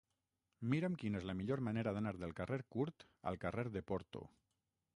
Mira'm quina és la millor manera d'anar del carrer Curt al carrer de Porto.